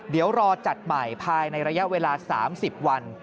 เดี๋ยวรอจัดใหม่ภายในระยะเวลา๓๐วัน